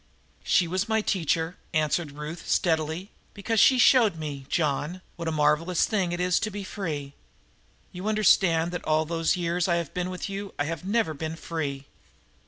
"She was my teacher," answered Ruth steadily, "because she showed me, John, what a marvelous thing it is to be free. You understand that all the years I have been with you I have never been free?"